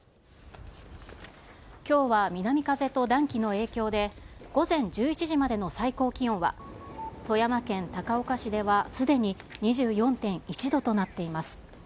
きょうは南風と暖気の影響で、午前１１時までの最高気温は、富山県高岡市ではすでに２４．１度となっています。